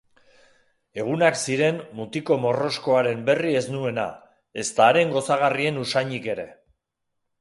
Egunak ziren mutiko morroskoaren berri ez nuena, ezta haren gozagarrien usainik ere.